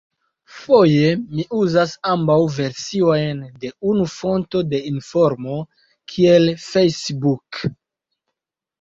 Foje mi uzas ambaŭ versiojn de unu fonto de informo, kiel Facebook.